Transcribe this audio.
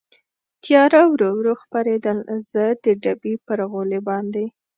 تېاره ورو ورو خپرېدل، زه د ډبې پر غولي باندې.